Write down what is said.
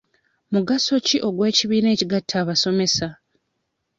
Mugaso ki ogw'ekibiina ekigatta abasomesa?